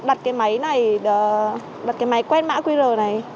đặt cái máy này đặt cái máy quét mã qr này